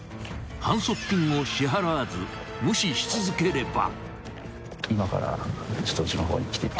［反則金を支払わず無視し続ければ］